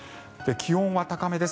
気温は高めです。